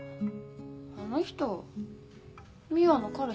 あの人美羽の彼氏だよ。